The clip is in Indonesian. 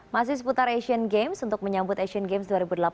masih seputar asian games untuk menyambut asian games dua ribu delapan belas